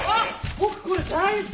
僕これ大好き！